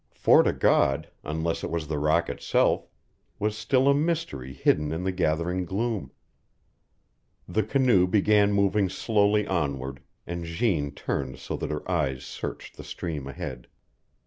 Fort o' God, unless it was the rock itself, was still a mystery hidden in the gathering gloom. The canoe began moving slowly onward, and Jeanne turned so that her eyes searched the stream ahead.